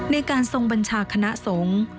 ในการทรงบัญชาคณะสงฆ์